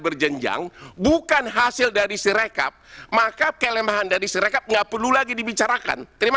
berjenjang bukan hasil dari sirekap maka kelemahan dari sirekap nggak perlu lagi dibicarakan terima